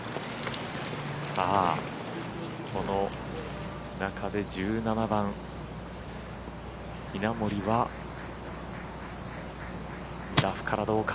この中で１７番稲森はラフからどうか。